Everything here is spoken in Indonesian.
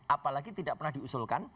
apalagi tidak pernah diusulkan